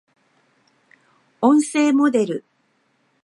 発声モデル